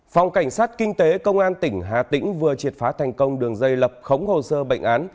phòng cảnh sát kinh tế công an tỉnh hà tĩnh vừa triệt phá thành công đường dây lập khống hồ sơ bệnh án